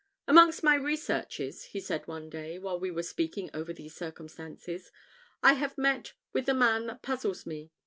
"Amongst my researches," said he one day, while we were speaking over these circumstances, "I have met with a man that puzzles me.